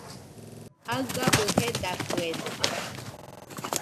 Jaɨgabɨ jedakɨede